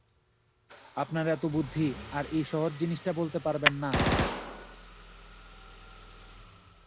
আপনার এত বুদ্ধি, আর এই সহজ জিনিসটা বলতে পারবেন।